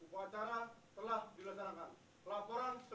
upacara telah dilaksanakan